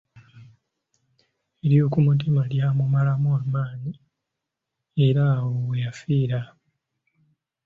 Ery’oku mutima lyamumalamu amaanyi era awo weyafiira.